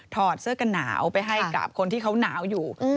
อดเสื้อกันหนาวไปให้กับคนที่เขาหนาวอยู่